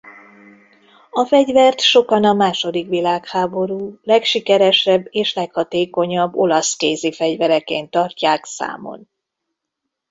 A fegyvert sokan a második világháború legsikeresebb és leghatékonyabb olasz kézifegyvereként tartják számon.